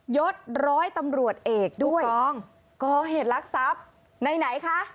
ยดร้อยตำรวจเอกด้วยก่อเหตุลักษัพไหนไหนคะ